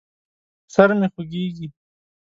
سر مې خوږېږي.